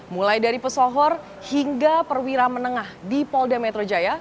mulai dari pesohor hingga perwira menengah di polda metro jaya